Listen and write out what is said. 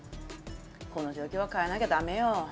この状況は変えなきゃダメよ。